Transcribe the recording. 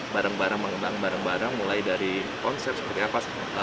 bareng bareng mengembang bareng bareng mulai dari konsep awal dan sebagainya